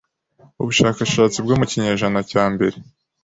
Ubushakashatsi bwo mu kinyejana cya mbere